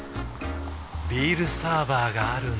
ビールサーバーがある夏。